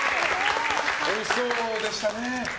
おいしそうでしたね。